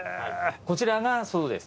こちらがそうです。